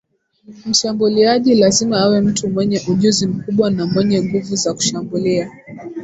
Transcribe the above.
mshambuluaji lazima awe mtu mwenye ujuzi mkubwa na mwenye nguvu za kushambulia